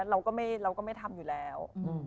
เราก็ไม่ทำอยู่แล้ว